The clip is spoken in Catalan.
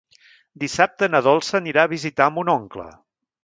Dissabte na Dolça anirà a visitar mon oncle.